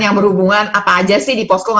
yang berhubungan apa aja sih di posko